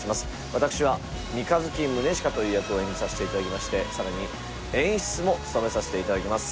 私は三日月宗近という役を演じさせていただきましてさらに演出も務めさせていただきます